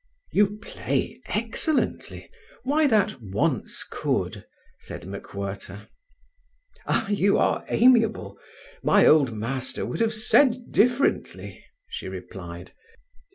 "You play excellently. Why that 'once could'?" said MacWhirter. "Ah, you are amiable. My old master would have said differently," she replied.